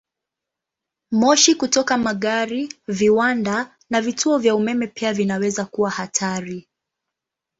Moshi kutoka magari, viwanda, na vituo vya umeme pia vinaweza kuwa hatari.